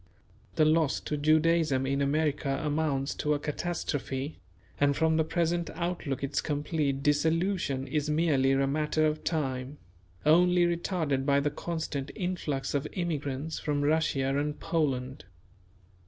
The loss to Judaism in America amounts to a catastrophe, and from the present outlook its complete dissolution is merely a matter of time, only retarded by the constant influx of immigrants from Russia and Poland.